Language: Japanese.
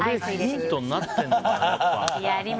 それ、ヒントになってるのかな。